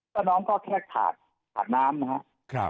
ก็น้องก็แค่ขาดน้ำนะครับ